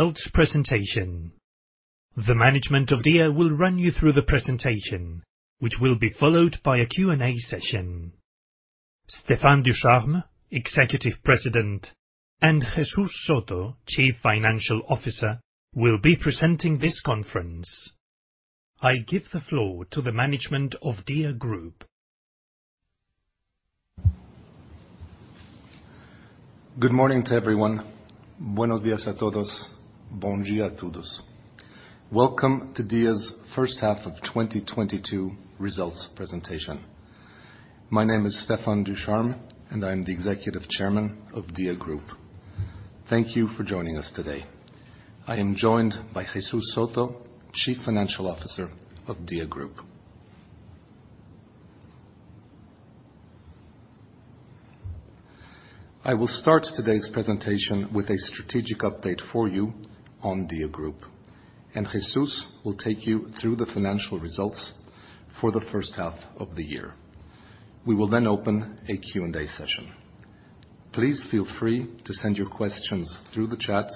Results presentation. The management of DIA will run you through the presentation, which will be followed by a Q&A session. Stéphane Ducharme, Executive President, and Jesús Soto, Chief Financial Officer, will be presenting this conference. I give the floor to the management of DIA Group. Good morning to everyone. Buenos días a todos. Bom dia a todos. Welcome to DIA's First Half of 2022 Results Presentation. My name is Stéphane Ducharme, and I'm the Executive Chairman of DIA Group. Thank you for joining us today. I am joined by Jesús Soto, Chief Financial Officer of DIA Group. I will start today's presentation with a strategic update for you on DIA Group, and Jesús will take you through the financial results for the first half of the year. We will then open a Q&A session. Please feel free to send your questions through the chat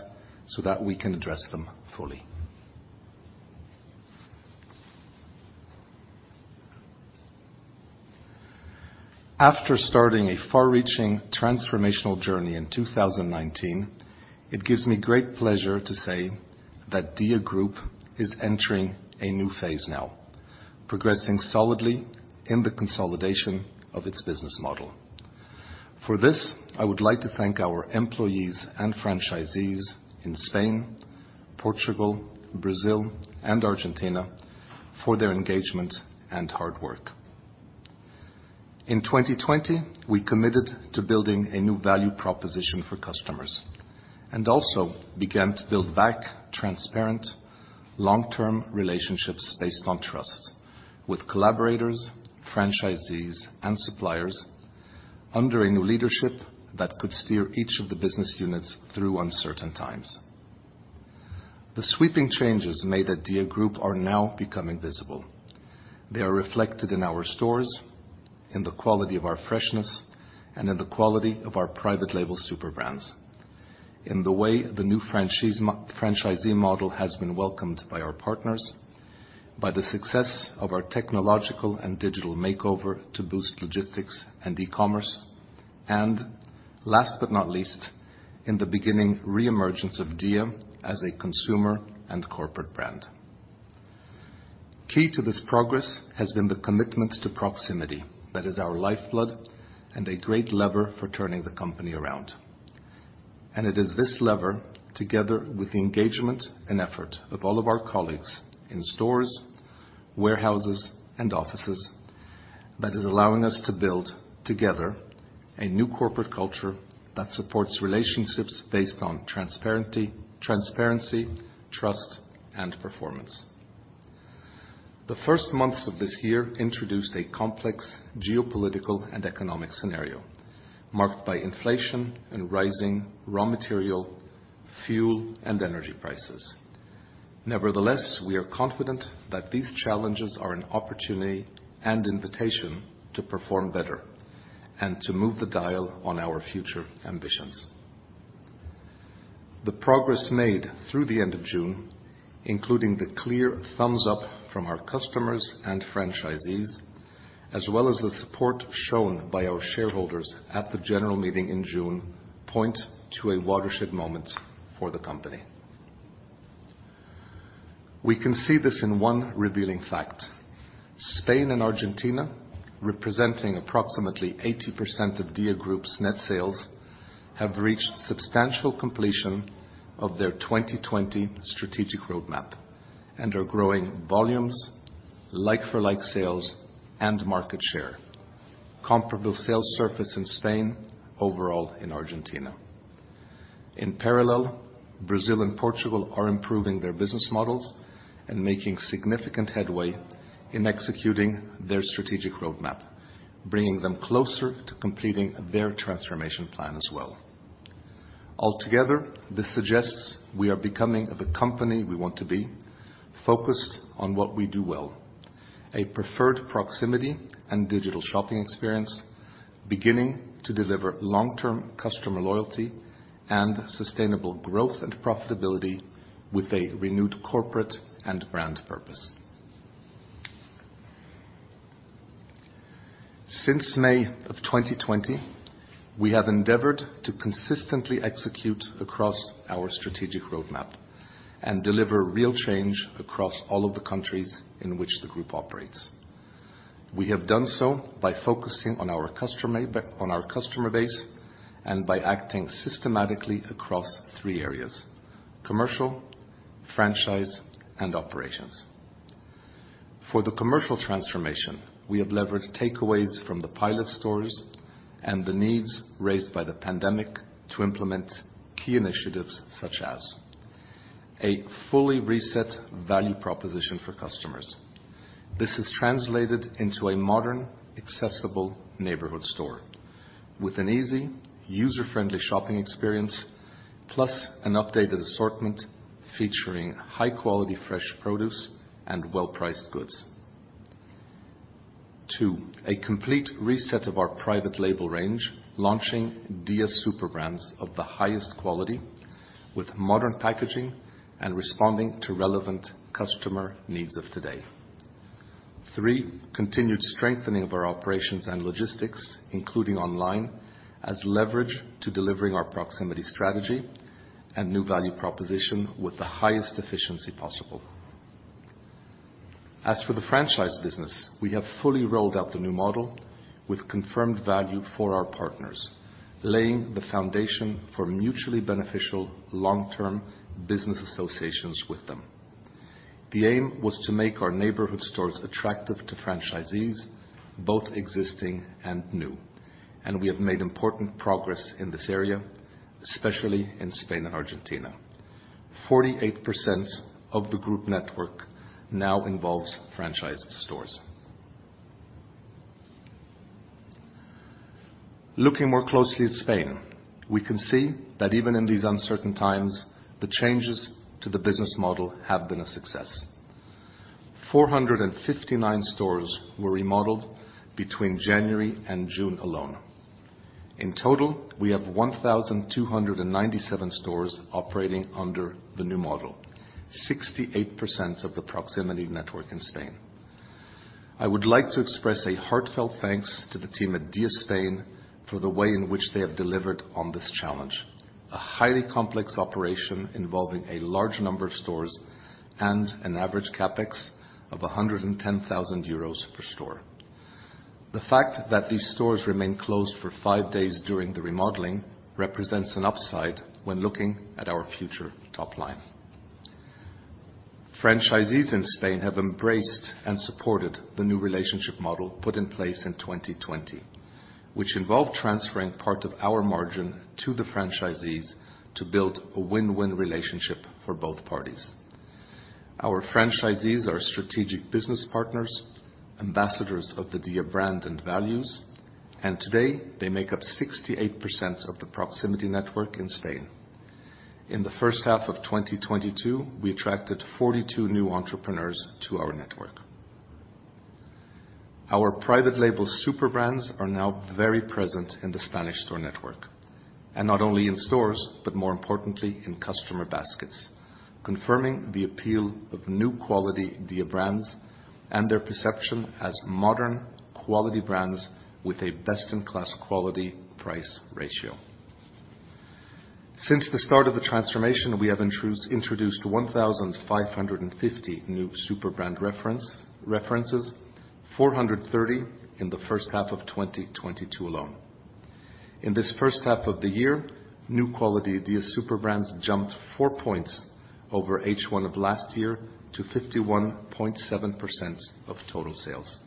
so that we can address them fully. After starting a far-reaching transformational journey in 2019, it gives me great pleasure to say that DIA Group is entering a new phase now, progressing solidly in the consolidation of its business model. For this, I would like to thank our employees and franchisees in Spain, Portugal, Brazil and Argentina for their engagement and hard work. In 2020, we committed to building a new value proposition for customers and also began to build back transparent, long-term relationships based on trust with collaborators, franchisees, and suppliers under a new leadership that could steer each of the business units through uncertain times. The sweeping changes made at DIA Group are now becoming visible. They are reflected in our stores, in the quality of our freshness, and in the quality of our private label Superbrands. In the way the new franchisee model has been welcomed by our partners, by the success of our technological and digital makeover to boost logistics and e-commerce, and last but not least, in the beginning re-emergence of DIA as a consumer and corporate brand. Key to this progress has been the commitment to proximity that is our lifeblood and a great lever for turning the company around. It is this lever, together with the engagement and effort of all of our colleagues in stores, warehouses, and offices that is allowing us to build together a new corporate culture that supports relationships based on transparency, trust and performance. The first months of this year introduced a complex geopolitical and economic scenario marked by inflation and rising raw material, fuel, and energy prices. Nevertheless, we are confident that these challenges are an opportunity and invitation to perform better and to move the dial on our future ambitions. The progress made through the end of June, including the clear thumbs-up from our customers and franchisees, as well as the support shown by our shareholders at the general meeting in June, point to a watershed moment for the company. We can see this in one revealing fact. Spain and Argentina, representing approximately 80% of DIA Group's net sales, have reached substantial completion of their 2020 strategic roadmap and are growing volumes, like-for-like sales and market share. Comparable sales surge in Spain, overall in Argentina. In parallel, Brazil and Portugal are improving their business models and making significant headway in executing their strategic roadmap, bringing them closer to completing their transformation plan as well. Altogether, this suggests we are becoming the company we want to be, focused on what we do well, a preferred proximity and digital shopping experience, beginning to deliver long-term customer loyalty and sustainable growth and profitability with a renewed corporate and brand purpose. Since May of 2020, we have endeavored to consistently execute across our strategic roadmap and deliver real change across all of the countries in which the group operates. We have done so by focusing on our customer base and by acting systematically across three areas, commercial, franchise, and operations. For the commercial transformation, we have leveraged takeaways from the pilot stores and the needs raised by the pandemic to implement key initiatives such as a fully reset value proposition for customers. This is translated into a modern, accessible neighborhood store with an easy, user-friendly shopping experience, plus an updated assortment featuring high-quality fresh produce and well-priced goods. Two, a complete reset of our private label range, launching DIA Superbrands of the highest quality with modern packaging and responding to relevant customer needs of today. Three, continued strengthening of our operations and logistics, including online, as leverage to delivering our proximity strategy and new value proposition with the highest efficiency possible. As for the franchise business, we have fully rolled out the new model with confirmed value for our partners, laying the foundation for mutually beneficial long-term business associations with them. The aim was to make our neighborhood stores attractive to franchisees, both existing and new, and we have made important progress in this area, especially in Spain and Argentina. 48% of the group network now involves franchised stores. Looking more closely at Spain, we can see that even in these uncertain times, the changes to the business model have been a success. 459 stores were remodeled between January and June alone. In total, we have 1,297 stores operating under the new model, 68% of the proximity network in Spain. I would like to express a heartfelt thanks to the team at DIA Spain for the way in which they have delivered on this challenge, a highly complex operation involving a large number of stores and an average CapEx of 110,000 euros per store. The fact that these stores remain closed for five days during the remodeling represents an upside when looking at our future top line. Franchisees in Spain have embraced and supported the new relationship model put in place in 2020, which involved transferring part of our margin to the franchisees to build a win-win relationship for both parties. Our franchisees are strategic business partners, ambassadors of the DIA brand and values, and today they make up 68% of the proximity network in Spain. In the first half of 2022, we attracted 42 new entrepreneurs to our network. Our private label Superbrands are now very present in the Spanish store network, and not only in stores, but more importantly in customer baskets, confirming the appeal of new quality DIA brands and their perception as modern quality brands with a best-in-class quality price ratio. Since the start of the transformation, we have introduced 1,550 new Superbrands references, 430 in the first half of 2022 alone. In this first half of the year, new quality DIA Superbrands jumped 4 points over H1 of last year to 51.7% of total sales.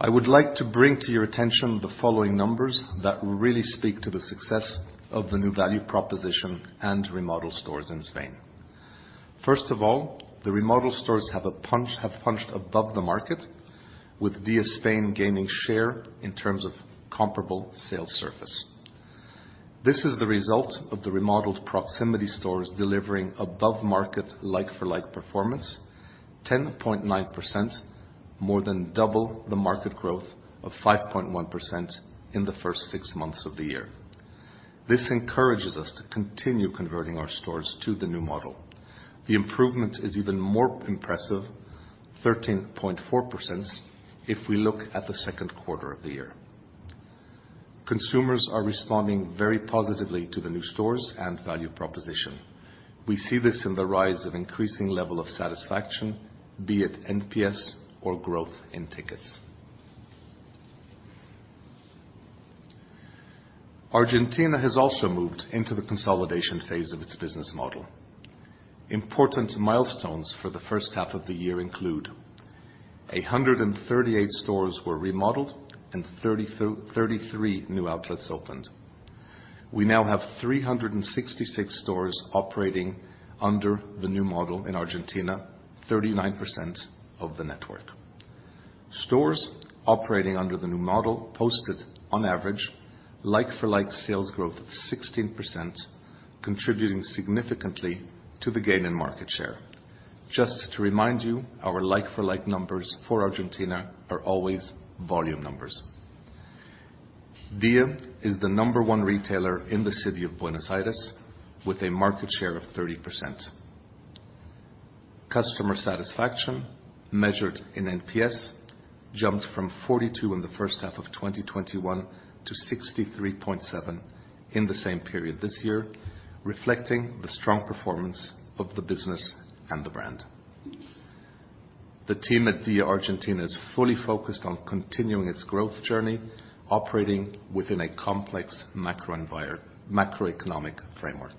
I would like to bring to your attention the following numbers that really speak to the success of the new value proposition and remodeled stores in Spain. First of all, the remodeled stores have punched above the market with DIA Spain gaining share in terms of comparable sales surface. This is the result of the remodeled proximity stores delivering above market like-for-like performance, 10.9% more than double the market growth of 5.1% in the first six months of the year. This encourages us to continue converting our stores to the new model. The improvement is even more impressive, 13.4% if we look at the Q2 of the year. Consumers are responding very positively to the new stores and value proposition. We see this in the rise of increasing level of satisfaction, be it NPS or growth in tickets. Argentina has also moved into the consolidation phase of its business model. Important milestones for the first half of the year include 138 stores were remodeled and 33 new outlets opened. We now have 366 stores operating under the new model in Argentina, 39% of the network. Stores operating under the new model posted on average like-for-like sales growth of 16%, contributing significantly to the gain in market share. Just to remind you, our like-for-like numbers for Argentina are always volume numbers. DIA is the number one retailer in the city of Buenos Aires with a market share of 30%. Customer satisfaction measured in NPS jumped from 42 in the first half of 2021 to 63.7 in the same period this year, reflecting the strong performance of the business and the brand. The team at DIA Argentina is fully focused on continuing its growth journey, operating within a complex macroeconomic framework.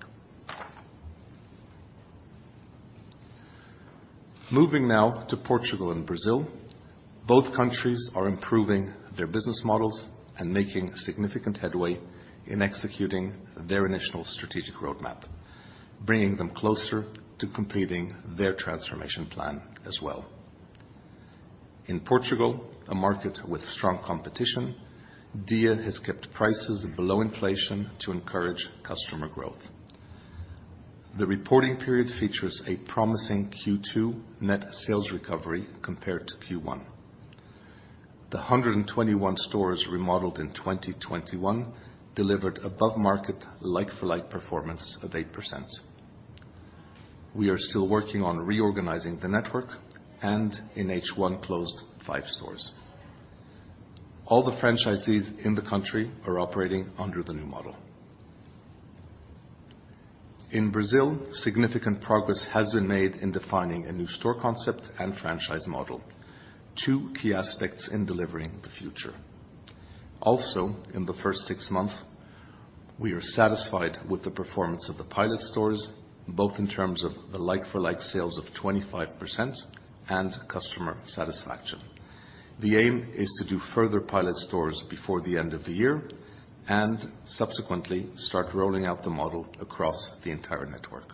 Moving now to Portugal and Brazil, both countries are improving their business models and making significant headway in executing their initial strategic roadmap, bringing them closer to completing their transformation plan as well. In Portugal, a market with strong competition, DIA has kept prices below inflation to encourage customer growth. The reporting period features a promising Q2 net sales recovery compared to Q1. The 121 stores remodeled in 2021 delivered above-market like-for-like performance of 8%. We are still working on reorganizing the network and in H1 closed five stores. All the franchisees in the country are operating under the new model. In Brazil, significant progress has been made in defining a new store concept and franchise model, two key aspects in delivering the future. Also, in the first six months, we are satisfied with the performance of the pilot stores, both in terms of the like-for-like sales of 25% and customer satisfaction. The aim is to do further pilot stores before the end of the year and subsequently start rolling out the model across the entire network.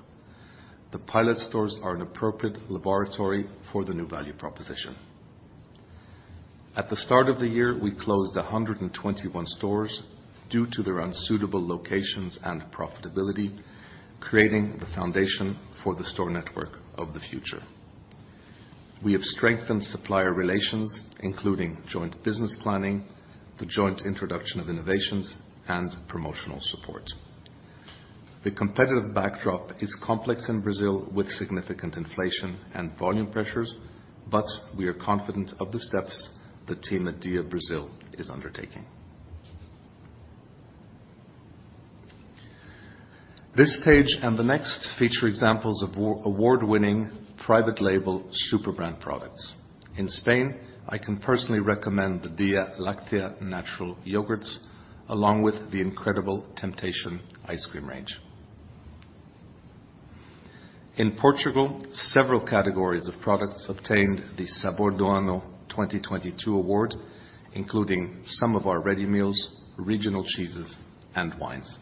The pilot stores are an appropriate laboratory for the new value proposition. At the start of the year, we closed 121 stores due to their unsuitable locations and profitability, creating the foundation for the store network of the future. We have strengthened supplier relations, including joint business planning, the joint introduction of innovations, and promotional support. The competitive backdrop is complex in Brazil with significant inflation and volume pressures, but we are confident of the steps the team at DIA Brazil is undertaking. This page and the next feature examples of award-winning private label Superbrands products. In Spain, I can personally recommend the DIA Láctea natural yogurts, along with the incredible Temptation ice cream range. In Portugal, several categories of products obtained the Sabor del Año 2022 award, including some of our ready meals, regional cheeses, and wines.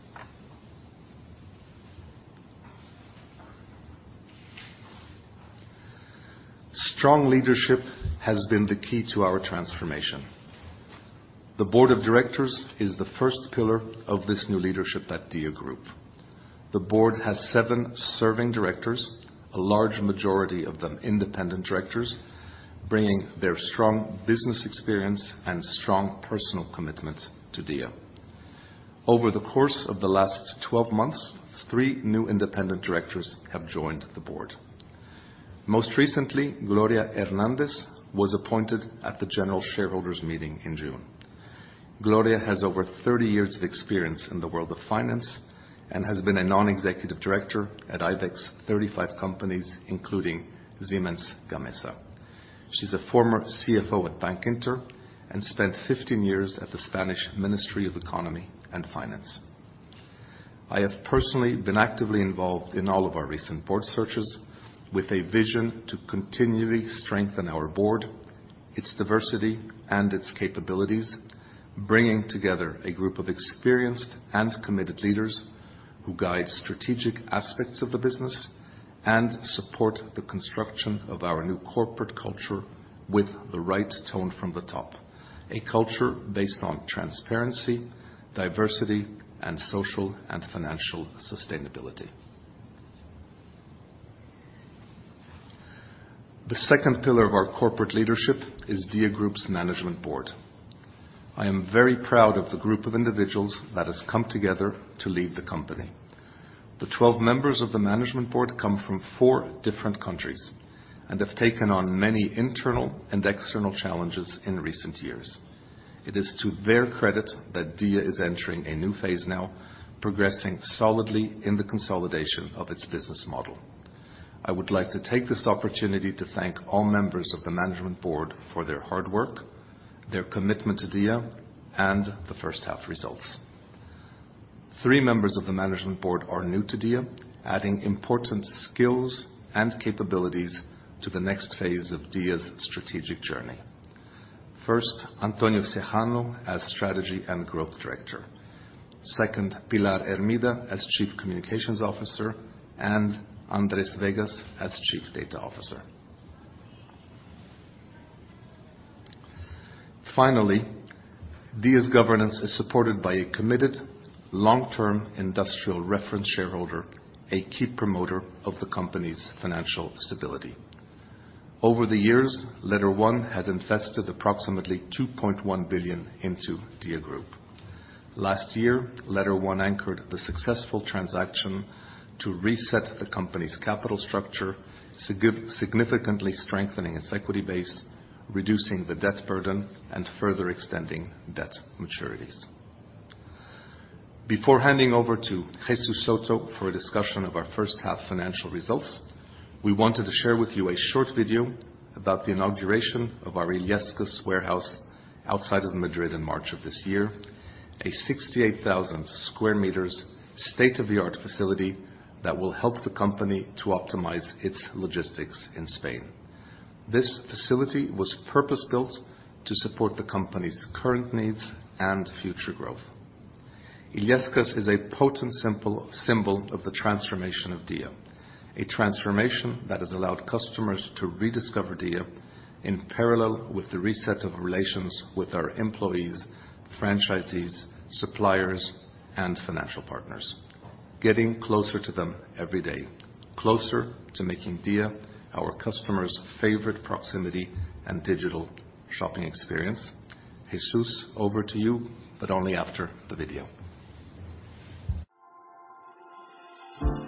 Strong leadership has been the key to our transformation. The board of directors is the first pillar of this new leadership at DIA Group. The board has seven serving directors, a large majority of them independent directors, bringing their strong business experience and strong personal commitment to DIA. Over the course of the last 12 months, three new independent directors have joined the board. Most recently, Gloria Hernández was appointed at the general shareholders meeting in June. Gloria has over 30 years of experience in the world of finance and has been a non-executive director at IBEX 35 companies, including Siemens Gamesa. She's a former CFO at Bankinter and spent 15 years at the Spanish Ministry of Economy and Finance. I have personally been actively involved in all of our recent board searches with a vision to continually strengthen our board, its diversity, and its capabilities, bringing together a group of experienced and committed leaders who guide strategic aspects of the business and support the construction of our new corporate culture with the right tone from the top, a culture based on transparency, diversity, and social and financial sustainability. The second pillar of our corporate leadership is DIA Group's management board. I am very proud of the group of individuals that has come together to lead the company. The 12 members of the management board come from four different countries and have taken on many internal and external challenges in recent years. It is to their credit that DIA is entering a new phase now, progressing solidly in the consolidation of its business model. I would like to take this opportunity to thank all members of the management board for their hard work, their commitment to DIA, and the first half results. Three members of the management board are new to DIA, adding important skills and capabilities to the next phase of DIA's strategic journey. First, Antonio Cejudo as Strategy and Growth Director. Second, Pilar Hermida as Chief Communications Officer, and Andrés Vegas as Chief Data Officer. Finally, DIA's governance is supported by a committed long-term industrial reference shareholder, a key promoter of the company's financial stability. Over the years, LetterOne has invested approximately 2.1 billion into DIA Group. Last year, LetterOne anchored the successful transaction to reset the company's capital structure, significantly strengthening its equity base, reducing the debt burden, and further extending debt maturities. Before handing over to Jesús Soto for a discussion of our first half financial results, we wanted to share with you a short video about the inauguration of our Illescas warehouse outside of Madrid in March of this year, a 68,000 square meters state-of-the-art facility that will help the company to optimize its logistics in Spain. This facility was purpose-built to support the company's current needs and future growth. Illescas is a potent symbol of the transformation of DIA, a transformation that has allowed customers to rediscover DIA in parallel with the reset of relations with our employees, franchisees, suppliers, and financial partners, getting closer to them every day, closer to making DIA our customers' favorite proximity and digital shopping experience. Jesús, over to you, but only after the video.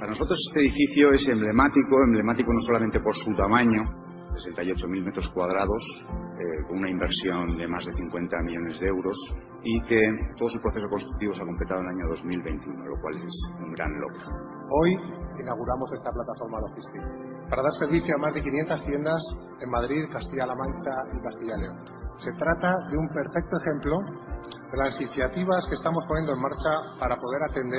Thank you,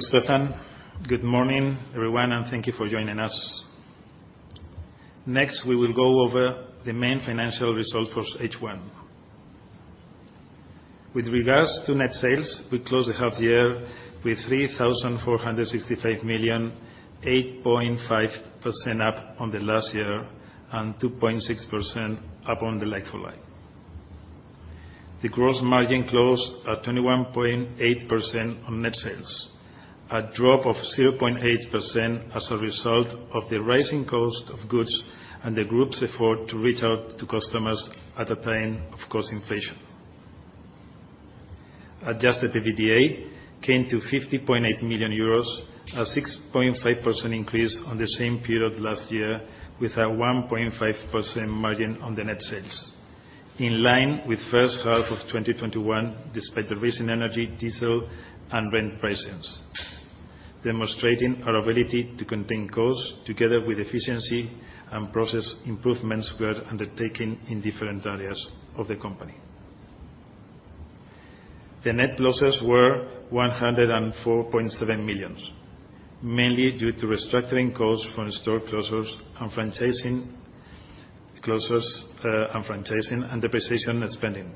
Stéphane. Good morning, everyone, and thank you for joining us. Next, we will go over the main financial result for H1. With regards to net sales, we closed the half year with 3,465 million, 8.5% up on the last year and 2.6% up on the like-for-like. The gross margin closed at 21.8% on net sales, a drop of 0.8% as a result of the rising cost of goods and the group's effort to reach out to customers at a time of cost inflation. Adjusted EBITDA came to 50.8 million euros, a 6.5% increase on the same period last year with a 1.5% margin on net sales, in line with first half of 2021, despite the recent energy, diesel, and rent prices, demonstrating our ability to contain costs together with efficiency and process improvements were undertaken in different areas of the company. Net losses were 104.7 million, mainly due to restructuring costs from store closures and franchise closures, and franchising, and depreciation and spending,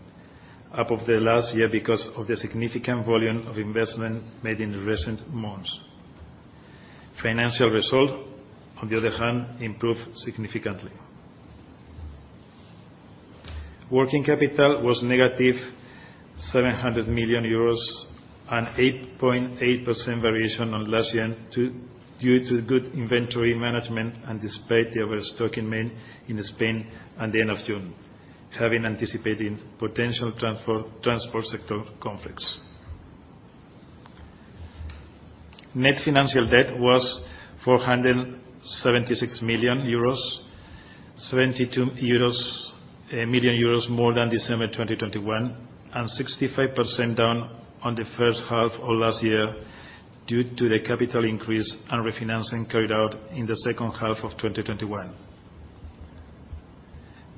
up from last year because of the significant volume of investment made in recent months. Financial result, on the other hand, improved significantly. Working capital was EUR -700 million, an 8.8% variation on last year due to good inventory management and despite the overstocking made in Spain at the end of June, having anticipated potential transport sector conflicts. Net financial debt was 476 million euros, 72 million euros more than December 2021, and 65% down on the first half of last year due to the capital increase and refinancing carried out in the second half of 2021.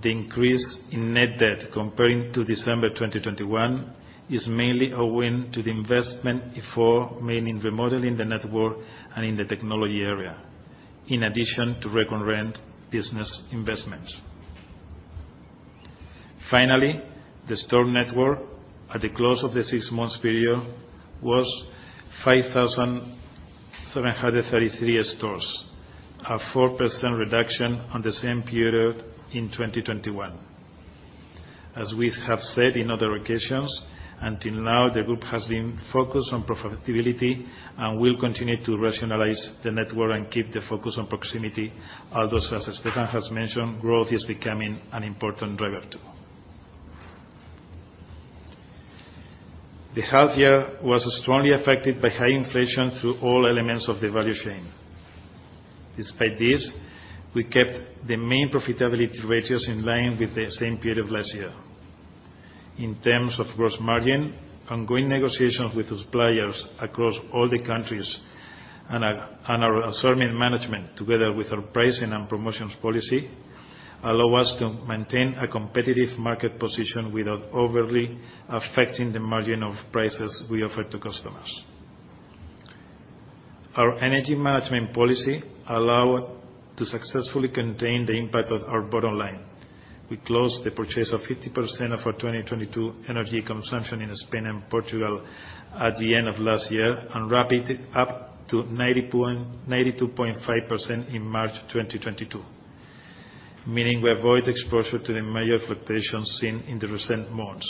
The increase in net debt comparing to December 2021 is mainly owing to the investment effort made in remodeling the network and in the technology area, in addition to recurrent business investments. Finally, the store network at the close of the six months period was 5,733 stores, a 4% reduction on the same period in 2021. As we have said in other occasions, until now, the group has been focused on profitability and will continue to rationalize the network and keep the focus on proximity. Although, as Stéphane has mentioned, growth is becoming an important driver too. The half year was strongly affected by high inflation through all elements of the value chain. Despite this, we kept the main profitability ratios in line with the same period of last year. In terms of gross margin, ongoing negotiations with suppliers across all the countries and our assortment management, together with our pricing and promotions policy, allow us to maintain a competitive market position without overly affecting the margin of prices we offer to customers. Our energy management policy allow to successfully contain the impact of our bottom line. We closed the purchase of 50% of our 2022 energy consumption in Spain and Portugal at the end of last year and ramped it up to 92.5% in March 2022, meaning we avoid exposure to the major fluctuations seen in the recent months.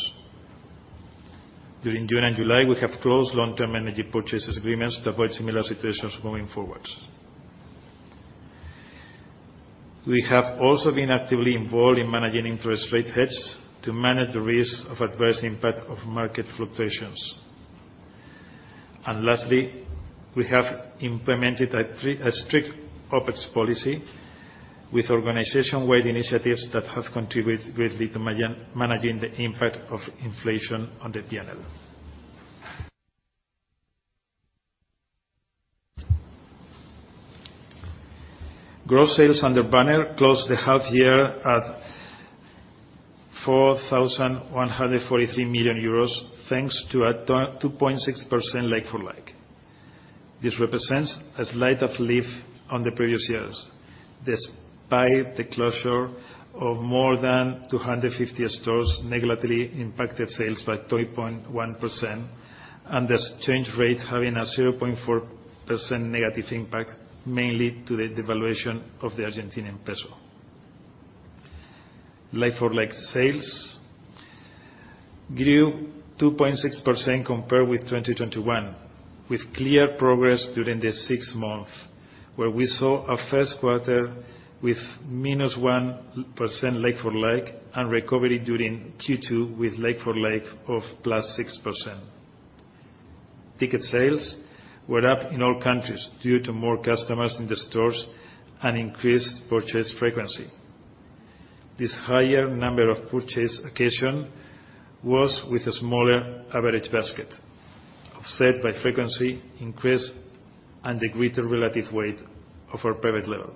During June and July, we have closed long-term energy purchase agreements to avoid similar situations moving forward. We have also been actively involved in managing interest rate hedges to manage the risk of adverse impact of market fluctuations. Lastly, we have implemented a strict OpEx policy with organization-wide initiatives that have contributed greatly to managing the impact of inflation on the P&L. Gross sales under banner closed the half year at 4,143 million euros, thanks to a 2.6% like-for-like. This represents a slight uplift on the previous years, despite the closure of more than 250 stores negatively impacted sales by 3.1%, and the exchange rate having a 0.4% negative impact, mainly due to the devaluation of the Argentine peso. Like-for-like sales grew 2.6% compared with 2021, with clear progress during the six months, where we saw a Q1 with -1% like-for-like and recovery during Q2 with like-for-like of +6%. Ticket sales were up in all countries due to more customers in the stores and increased purchase frequency. This higher number of purchase occasions was with a smaller average basket, offset by frequency increase and the greater relative weight of our private label.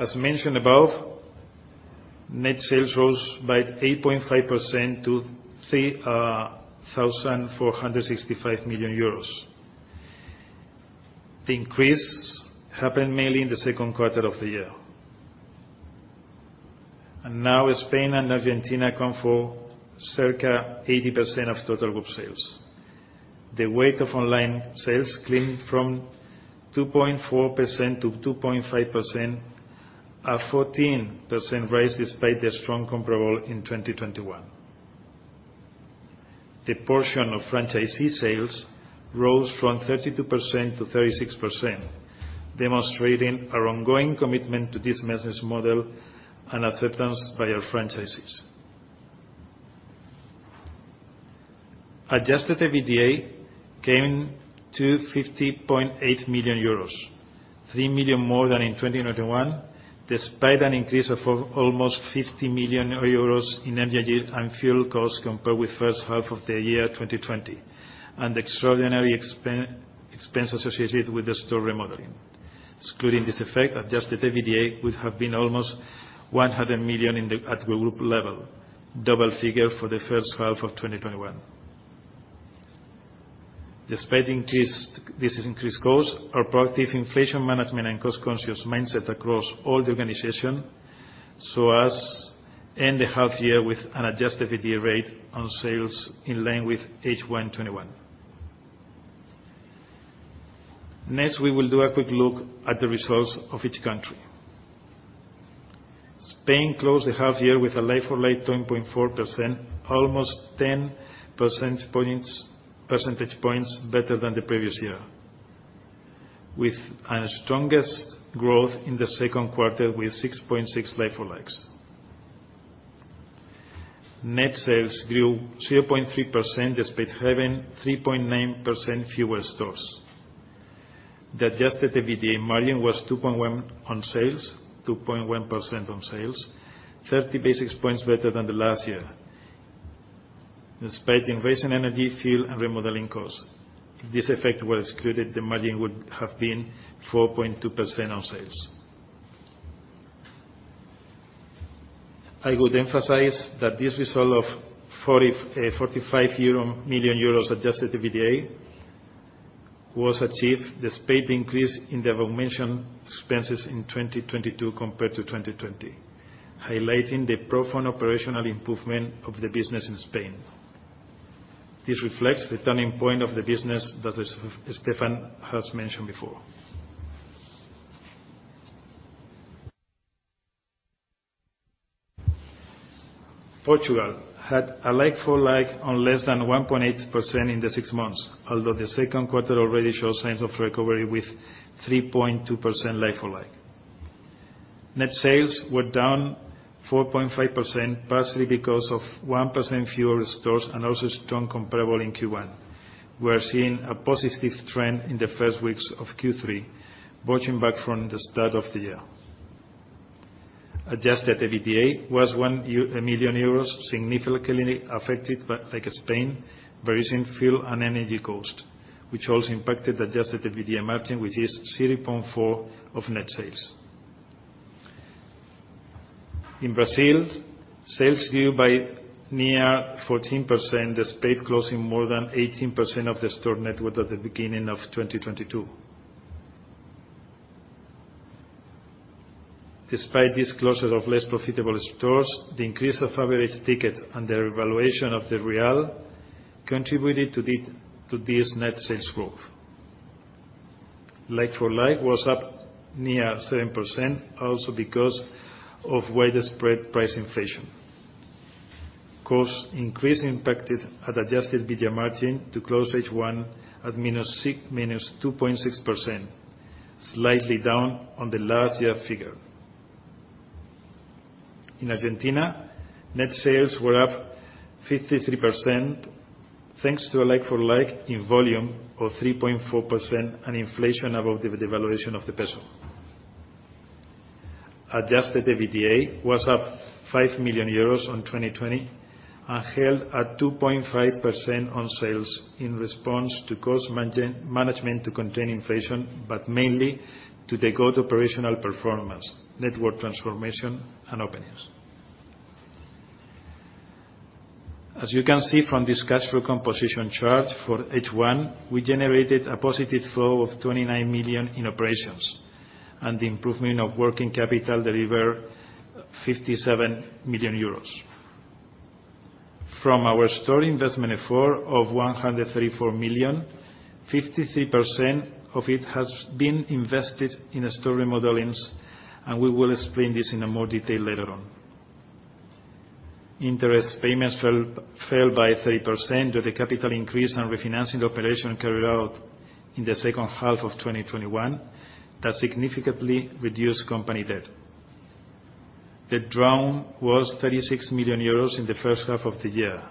As mentioned above, net sales rose by 8.5% to 3,465 million euros. The increase happened mainly in the Q2 of the year. Now Spain and Argentina account for circa 80% of total group sales. The weight of online sales climbed from 2.4% to 2.5%, a 14% rise despite the strong comparable in 2021. The portion of franchisee sales rose from 32% to 36%, demonstrating our ongoing commitment to this business model and acceptance by our franchisees. Adjusted EBITDA came to 50.8 million euros, 3 million more than in 2021, despite an increase of almost 50 million euros in energy and fuel costs compared with first half of 2020, and extraordinary expense associated with the store remodeling. Excluding this effect, adjusted EBITDA would have been almost 100 million at group level, double figure for the first half of 2021. Despite this increased cost, our proactive inflation management and cost-conscious mindset across all the organization saw us end the half year with an adjusted EBITDA rate on sales in line with H1 2021. Next, we will do a quick look at the results of each country. Spain closed the half year with a like-for-like 10.4%, almost 10 percentage points better than the previous year, with a strongest growth in the Q2 with 6.6 like-for-likes. Net sales grew 0.3% despite having 3.9% fewer stores. The adjusted EBITDA margin was 2.1% on sales, 2.1% on sales, 30 basis points better than the last year. Despite the increase in energy, fuel, and remodeling costs, if this effect were excluded, the margin would have been 4.2% on sales. I would emphasize that this result of 45 million euro adjusted EBITDA was achieved despite the increase in the aforementioned expenses in 2022 compared to 2020, highlighting the profound operational improvement of the business in Spain. This reflects the turning point of the business that is Stéphane has mentioned before. Portugal had a like-for-like on less than 1.8% in the six months, although the Q2 already showed signs of recovery with 3.2% like-for-like. Net sales were down 4.5%, partially because of 1% fewer stores and also strong comparable in Q1. We are seeing a positive trend in the first weeks of Q3, bouncing back from the start of the year. Adjusted EBITDA was 1 million euros, significantly affected by, in Spain, by recent fuel and energy costs, which also impacted adjusted EBITDA margin, which is 3.4% of net sales. In Brazil, sales grew by near 14% despite closing more than 18% of the store network at the beginning of 2022. Despite this closure of less profitable stores, the increase of average ticket and the revaluation of the real contributed to this net sales growth. Like-for-like was up near 7%, also because of widespread price inflation. Cost increases impacted adjusted EBITDA margin to close H1 at -2.6%, slightly down on the last year figure. In Argentina, net sales were up 53%, thanks to a like-for-like in volume of 3.4% and inflation above the devaluation of the peso. Adjusted EBITDA was up 5 million euros on 2020 and held at 2.5% on sales in response to cost management to contain inflation, but mainly to the good operational performance, network transformation and openings. As you can see from this cash flow composition chart, for H1, we generated a positive flow of 29 million in operations and the improvement of working capital delivered 57 million euros. From our store investment effort of 134 million, 53% of it has been invested in store remodelings, and we will explain this in more detail later on. Interest payments fell by 30% with the capital increase and refinancing operation carried out in the second half of 2021 that significantly reduced company debt. The draw was 36 million euros in the first half of the year.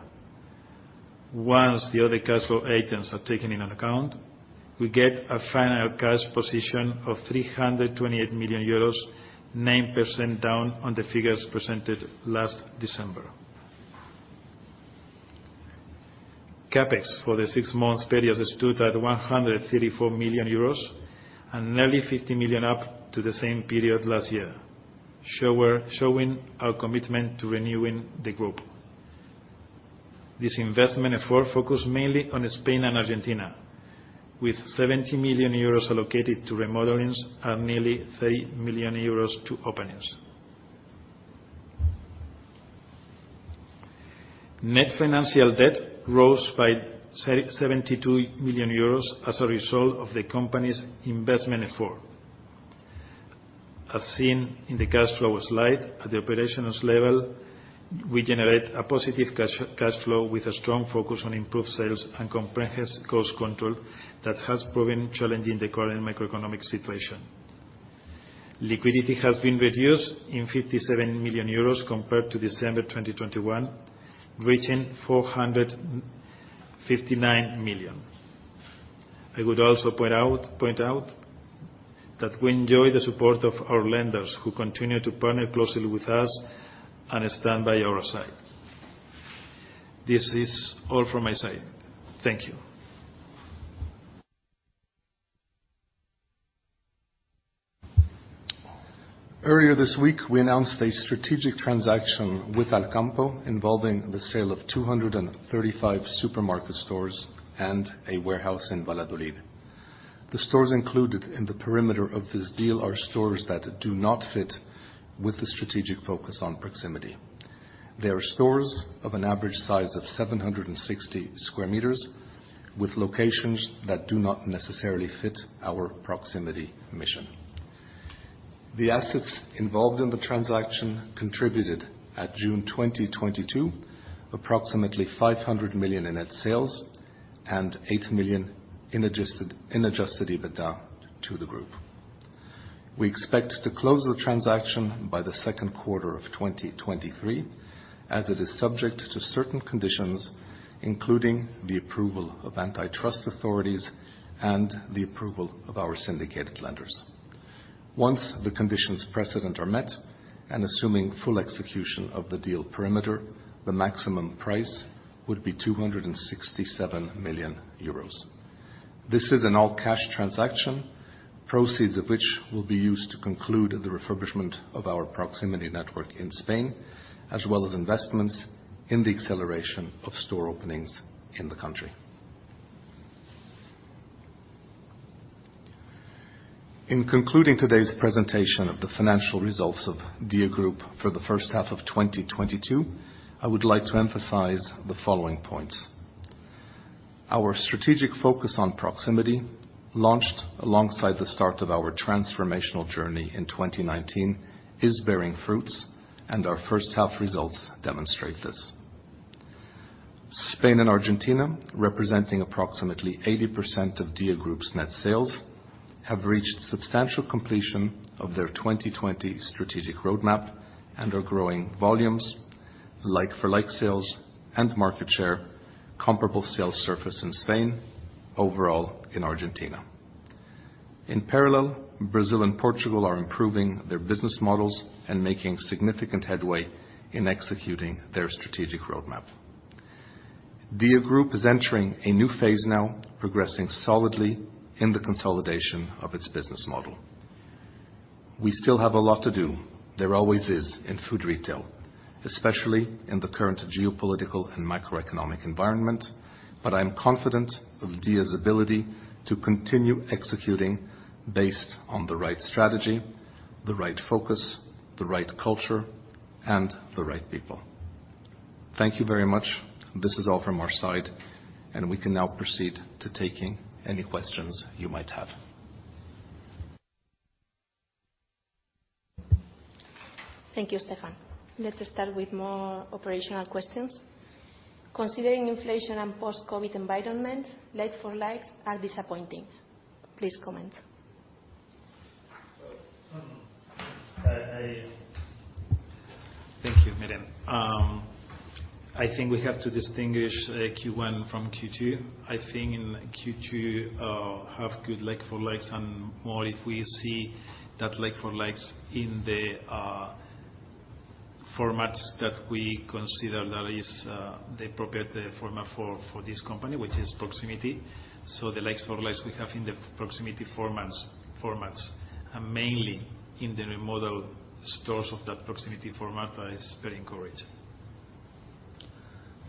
Once the other cash flow items are taken into account, we get a final cash position of 328 million euros, 9% down on the figures presented last December. CapEx for the six months period stood at 134 million euros and nearly 50 million up on the same period last year, showing our commitment to renewing the group. This investment effort focused mainly on Spain and Argentina, with 70 million euros allocated to remodelings and nearly 30 million euros to openings. Net financial debt rose by 72 million euros as a result of the company's investment effort. As seen in the cash flow slide, at the operations level, we generate a positive cash flow with a strong focus on improved sales and comprehensive cost control that has proven challenging in the current macroeconomic situation. Liquidity has been reduced by 57 million euros compared to December 2021, reaching 459 million. I would also point out that we enjoy the support of our lenders who continue to partner closely with us and stand by our side. This is all from my side. Thank you. Earlier this week, we announced a strategic transaction with Alcampo involving the sale of 235 supermarket stores and a warehouse in Valladolid. The stores included in the perimeter of this deal are stores that do not fit with the strategic focus on proximity. They are stores of an average size of 760 square meters with locations that do not necessarily fit our proximity mission. The assets involved in the transaction contributed, at June 2022, approximately 500 million in net sales and 8 million in adjusted EBITDA to the group. We expect to close the transaction by the Q2 of 2023, as it is subject to certain conditions, including the approval of antitrust authorities and the approval of our syndicated lenders. Once the conditions precedent are met, and assuming full execution of the deal perimeter, the maximum price would be 267 million euros. This is an all cash transaction, proceeds of which will be used to conclude the refurbishment of our proximity network in Spain, as well as investments in the acceleration of store openings in the country. In concluding today's presentation of the financial results of DIA Group for the first half of 2022, I would like to emphasize the following points. Our strategic focus on proximity, launched alongside the start of our transformational journey in 2019, is bearing fruits, and our first half results demonstrate this. Spain and Argentina, representing approximately 80% of DIA Group's net sales, have reached substantial completion of their 2020 strategic roadmap and are growing volumes, like-for-like sales and market share. Comparable sales surface in Spain, overall in Argentina. In parallel, Brazil and Portugal are improving their business models and making significant headway in executing their strategic roadmap. DIA Group is entering a new phase now, progressing solidly in the consolidation of its business model. We still have a lot to do. There always is in food retail, especially in the current geopolitical and macroeconomic environment, but I am confident of DIA's ability to continue executing based on the right strategy, the right focus, the right culture, and the right people. Thank you very much. This is all from our side, and we can now proceed to taking any questions you might have. Thank you, Stéphane. Let us start with more operational questions. Considering inflation and post-COVID environment, like-for-likes are disappointing. Please comment. Thank you, Miren. I think we have to distinguish Q1 from Q2. I think in Q2 have good like-for-likes and more if we see that like-for-likes in the formats that we consider that is the appropriate format for this company, which is proximity. The like-for-likes we have in the proximity formats are mainly in the remodeled stores of that proximity format is very encouraging. I think, I mean,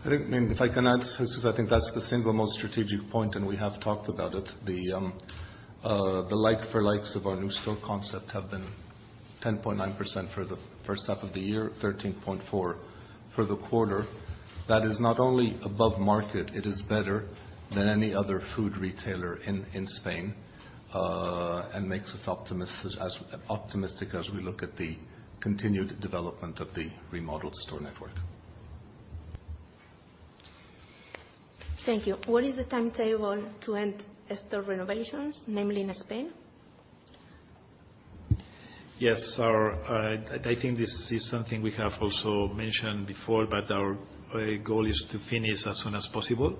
if I can add to this, is I think that's the single most strategic point, and we have talked about it. The like-for-like of our new store concept have been 10.9% for the first half of the year, 13.4% for the quarter. That is not only above market, it is better than any other food retailer in Spain, and makes us optimistic as we look at the continued development of the remodeled store network. Thank you. What is the timetable to end store renovations, namely in Spain? Yes. I think this is something we have also mentioned before, but our goal is to finish as soon as possible.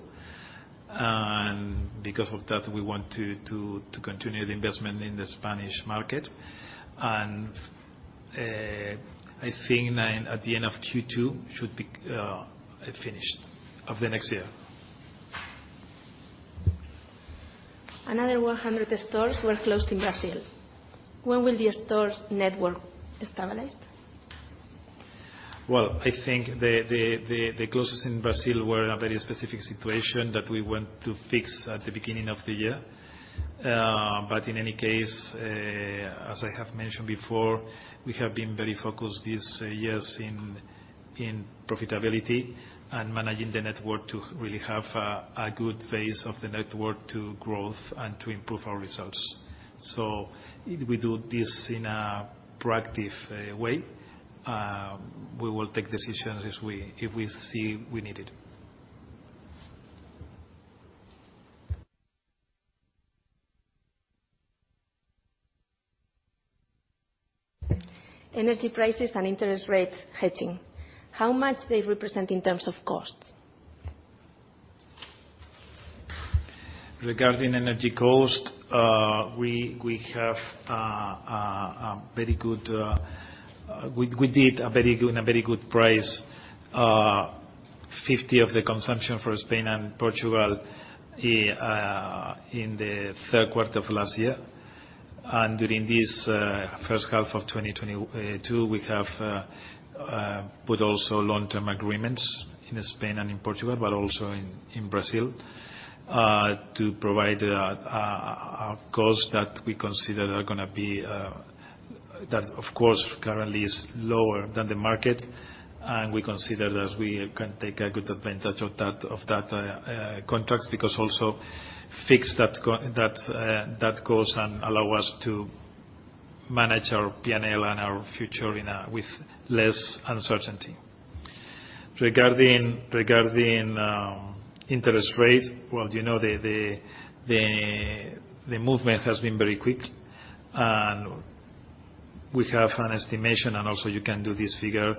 We want to continue the investment in the Spanish market. I think at the end of Q2 should be finished of the next year. Another 100 stores were closed in Brazil. When will the store network stabilize? Well, I think the closures in Brazil were a very specific situation that we want to fix at the beginning of the year. But in any case, as I have mentioned before, we have been very focused these years in profitability and managing the network to really have a good base of the network to grow and to improve our results. We do this in a proactive way. We will take decisions if we see we need it. Energy prices and interest rates hedging, how much they represent in terms of costs? Regarding energy cost, we did a very good price, 50 of the consumption for Spain and Portugal, in the Q3 of last year. During this first half of 2022, we have put also long-term agreements in Spain and in Portugal, but also in Brazil, to provide a cost that we consider are gonna be that of course currently is lower than the market. We consider that we can take a good advantage of that contracts because also fix that cost and allow us to manage our P&L and our future with less uncertainty. Regarding interest rate, well, you know, the movement has been very quick. We have an estimation, and also you can do this figure,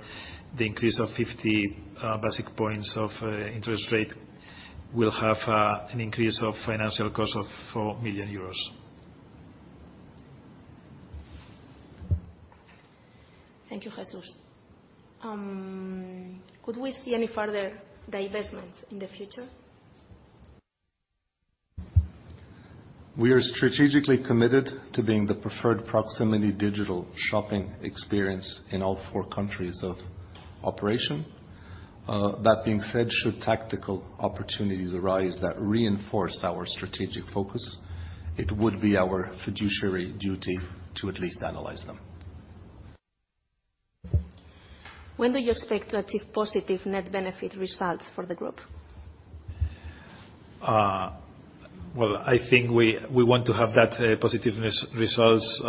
the increase of 50 basis points of interest rate will have an increase of financial cost of 4 million euros. Thank you, Jesús. Could we see any further divestments in the future? We are strategically committed to being the preferred proximity digital shopping experience in all four countries of operation. That being said, should tactical opportunities arise that reinforce our strategic focus, it would be our fiduciary duty to at least analyze them. When do you expect to achieve positive net benefit results for the group? Well, I think we want to have that positive results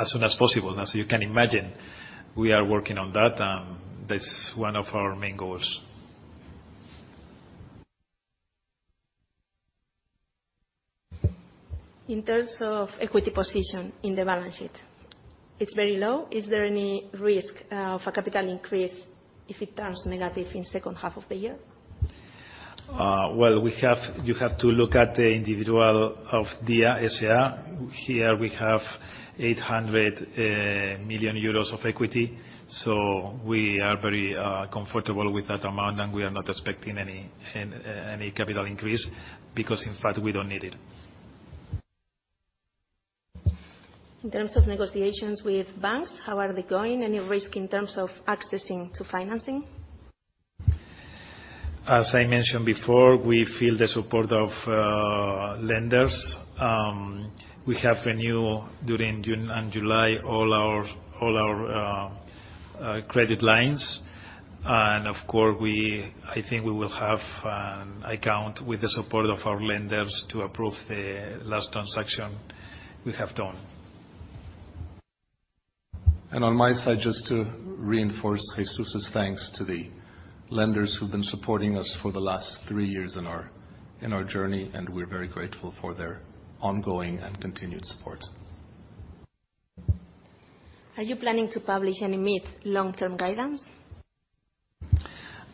as soon as possible. As you can imagine, we are working on that. That's one of our main goals. In terms of equity position in the balance sheet, it's very low. Is there any risk of a capital increase if it turns negative in second half of the year? Well, we have to look at the individual of DIA S.A. Here we have 800 million euros of equity. We are very comfortable with that amount, and we are not expecting any capital increase because in fact we don't need it. In terms of negotiations with banks, how are they going? Any risk in terms of accessing to financing? As I mentioned before, we feel the support of lenders. We renewed during June and July all our credit lines. Of course, I think we will have the support of our lenders to approve the last transaction we have done. On my side, just to reinforce Jesús' thanks to the lenders who've been supporting us for the last three years in our journey, and we're very grateful for their ongoing and continued support. Are you planning to publish any mid-long-term guidance?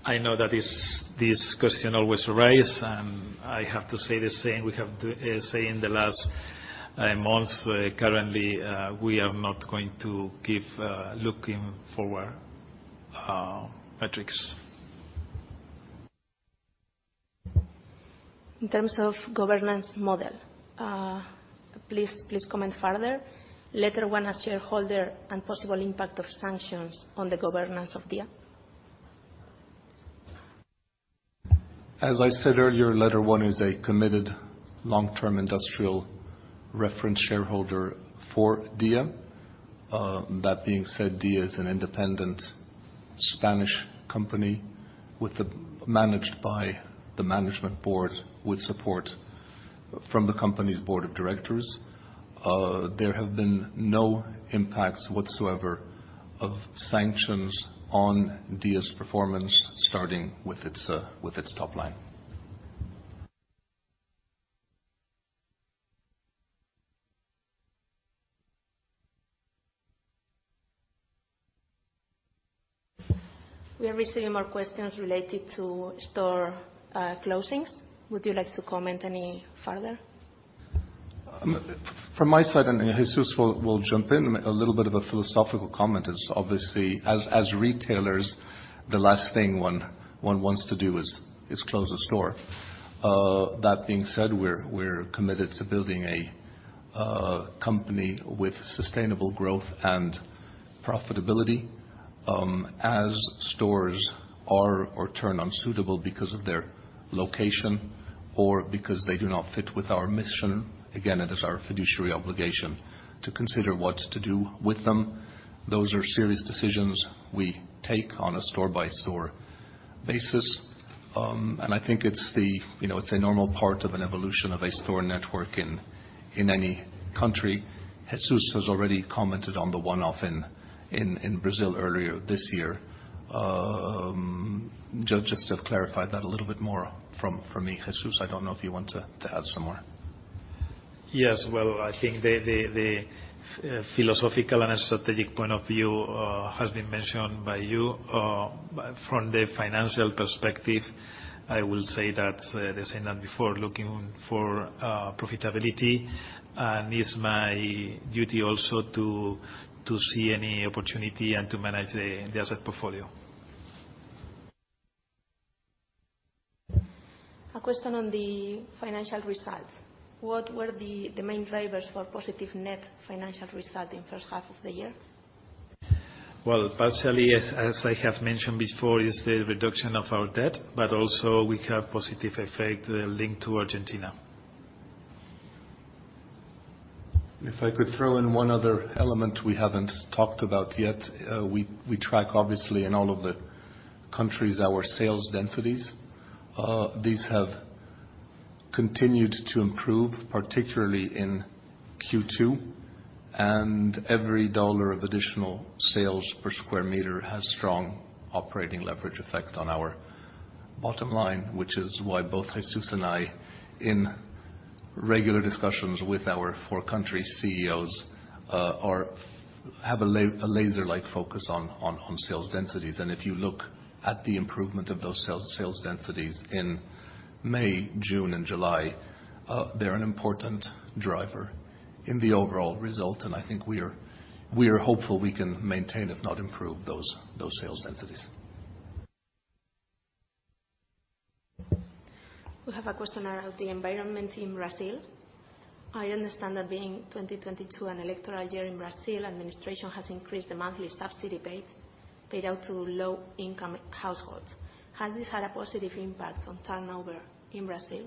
I know that this question always arise, and I have to say the same. We have to say in the last months, currently, we are not going to give looking forward metrics. In terms of governance model, please comment further. LetterOne as shareholder and possible impact of sanctions on the governance of DIA. As I said earlier, LetterOne is a committed long-term industrial reference shareholder for DIA. That being said, DIA is an independent Spanish company managed by the management board with support from the company's board of directors. There have been no impacts whatsoever of sanctions on DIA's performance, starting with its top line. We are receiving more questions related to store closings. Would you like to comment any further? From my side, Jesús will jump in. A little bit of a philosophical comment is obviously as retailers, the last thing one wants to do is close a store. That being said, we're committed to building a company with sustainable growth and profitability. As stores are or turn unsuitable because of their location or because they do not fit with our mission, again, it is our fiduciary obligation to consider what to do with them. Those are serious decisions we take on a store-by-store basis. I think it's, you know, a normal part of an evolution of a store network in any country. Jesús has already commented on the one-off in Brazil earlier this year. Just to clarify that a little bit more from me. Jesús, I don't know if you want to add some more. Yes. Well, I think the philosophical and strategic point of view has been mentioned by you. From the financial perspective, I will say that the same as before, looking for profitability, and it's my duty also to see any opportunity and to manage the asset portfolio. A question on the financial results. What were the main drivers for positive net financial result in first half of the year? Well, partially, as I have mentioned before, is the reduction of our debt, but also we have positive effect linked to Argentina. If I could throw in one other element we haven't talked about yet. We track obviously in all of the countries our sales densities. These have continued to improve, particularly in Q2, and every euro of additional sales per square meter has strong operating leverage effect on our bottom line, which is why both Jesús and I, in regular discussions with our four country CEOs, have a laser-like focus on sales densities. If you look at the improvement of those sales densities in May, June, and July, they're an important driver in the overall result. I think we are hopeful we can maintain, if not improve, those sales densities. We have a question around the environment in Brazil. I understand that being 2022, an electoral year in Brazil, administration has increased the monthly subsidy paid out to low-income households. Has this had a positive impact on turnover in Brazil?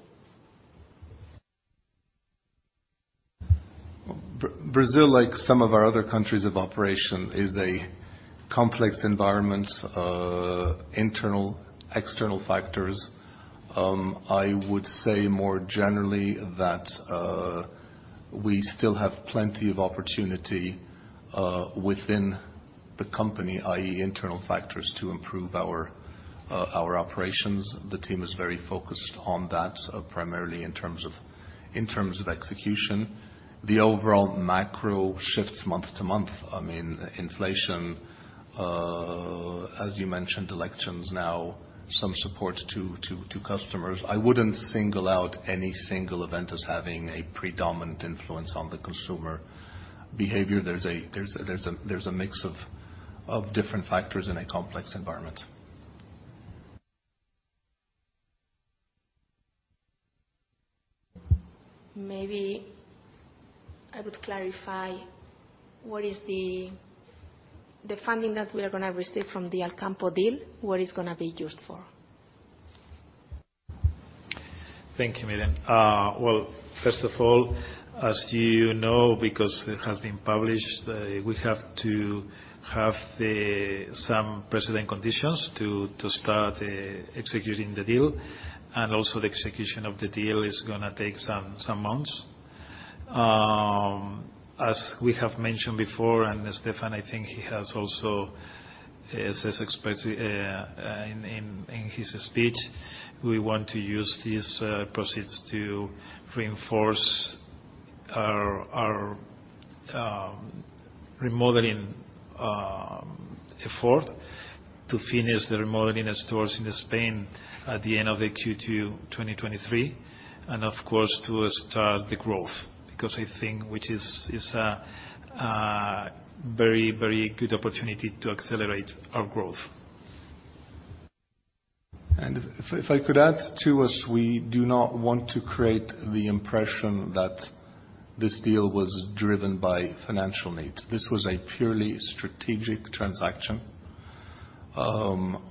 Brazil, like some of our other countries of operation, is a complex environment, internal, external factors. I would say more generally that we still have plenty of opportunity within the company, i.e., internal factors, to improve our operations. The team is very focused on that, primarily in terms of execution. The overall macro shifts month to month. I mean, inflation, as you mentioned, elections now, some support to customers. I wouldn't single out any single event as having a predominant influence on the consumer behavior. There's a mix of different factors in a complex environment. Maybe I would clarify what is the funding that we are gonna receive from the Alcampo deal, what is gonna be used for? Thank you, Miren. Well, first of all, as you know, because it has been published, we have to have some precedent conditions to start executing the deal. The execution of the deal is gonna take some months. As we have mentioned before, and as Stéphane, I think he has also expressed in his speech, we want to use these proceeds to reinforce our remodeling effort to finish the remodeling stores in Spain at the end of the Q2 2023. Of course, to start the growth. I think which is a very good opportunity to accelerate our growth. I could add to, as we do not want to create the impression that this deal was driven by financial needs. This was a purely strategic transaction,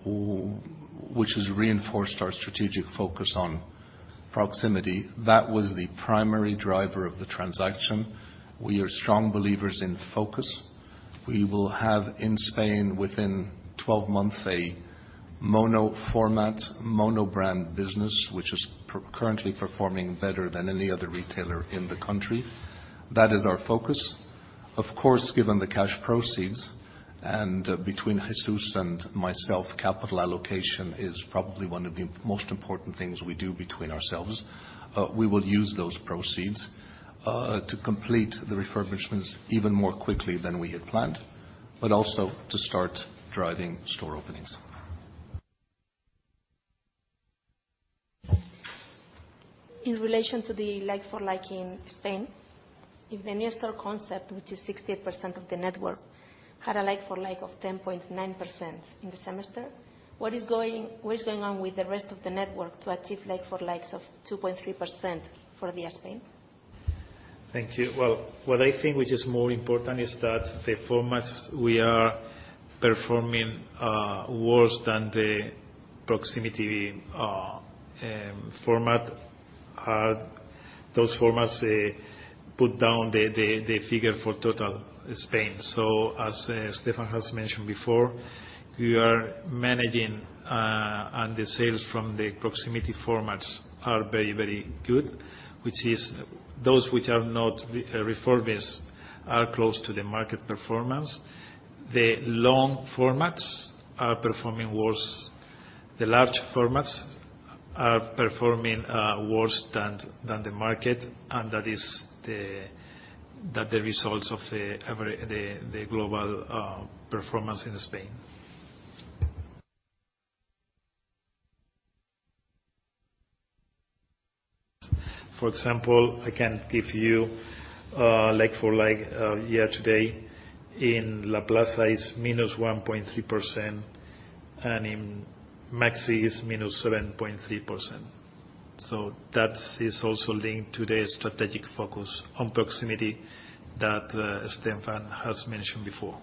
which has reinforced our strategic focus on proximity. That was the primary driver of the transaction. We are strong believers in focus. We will have, in Spain within 12 months, a mono format, mono brand business, which is currently performing better than any other retailer in the country. That is our focus. Of course, given the cash proceeds, and between Jesús and myself, capital allocation is probably one of the most important things we do between ourselves. We will use those proceeds, to complete the refurbishments even more quickly than we had planned, but also to start driving store openings. In relation to the like-for-like in Spain, if the new store concept, which is 60% of the network, had a like-for-like of 10.9% in the semester, what is going on with the rest of the network to achieve like-for-likes of 2.3% for Spain? Thank you. Well, what I think which is more important is that the formats we are performing worse than the proximity format are those formats put down the figure for total Spain. As Stéphane has mentioned before, we are managing and the sales from the proximity formats are very, very good, which is those which are not refurbished are close to the market performance. The large formats are performing worse. The large formats are performing worse than the market, and that is the results of the global performance in Spain. For example, I can give you like-for-like year to date in La Plaza is -1.3% and in Maxi is -7.3%. That is also linked to the strategic focus on proximity that Stéphane has mentioned before.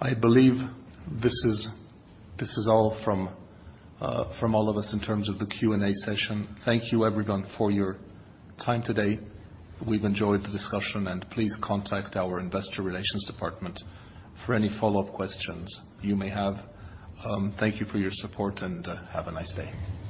I believe this is all from all of us in terms of the Q&A session. Thank you, everyone, for your time today. We've enjoyed the discussion, and please contact our investor relations department for any follow-up questions you may have. Thank you for your support, and have a nice day.